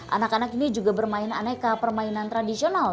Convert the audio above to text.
anak anak ini juga bermain aneka permainan tradisional